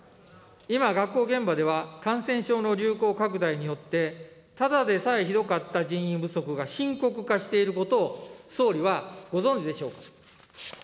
今、学校現場では、感染症の流行拡大によって、ただでさえひどかった人員不足が深刻化していることを総理はご存じでしょうか。